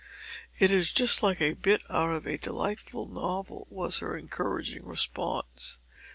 "It is just like a bit out of a delightful novel," was her encouraging response.